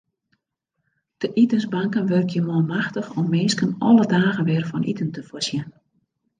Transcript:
De itensbanken wurkje manmachtich om minsken alle dagen wer fan iten te foarsjen.